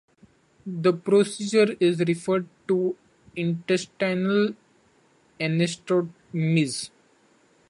The procedure is referred to as intestinal anastomosis.